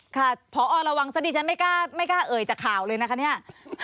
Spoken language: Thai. ค่ะพอระวังซะดิฉันไม่กล้าเอ่ยจากข่าวเลยนะคะเนี่ย